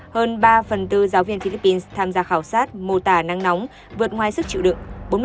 hơn ba phần tư giáo viên philippines tham gia khảo sát mô tả nắng nóng vượt ngoài sức chịu đựng